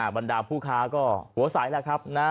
บรรดาผู้ค้าก็หัวใสแหละครับนะ